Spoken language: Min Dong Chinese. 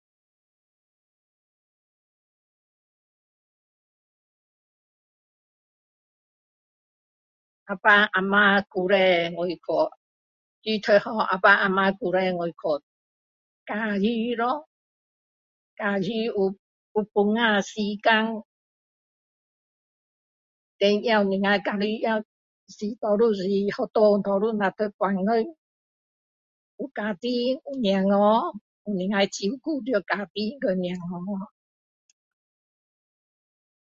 啊爸啊妈以前我书读好啊爸阿妈以前我去教书咯教书有放假时间then 我们教书也有多数是学校讨论下读半天有家庭有小孩能够照顾到家庭跟小孩